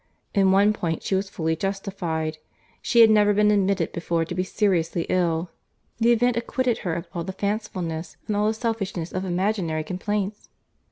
In one point she was fully justified. She had never been admitted before to be seriously ill. The event acquitted her of all the fancifulness, and all the selfishness of imaginary complaints.